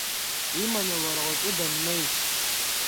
Иманы лара лҿы даннеи.